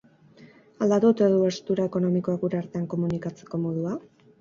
Aldatu ote du herstura ekonomikoak gure artean komunikatzeko modua?